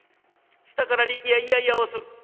下から力弥『いやいや』をする。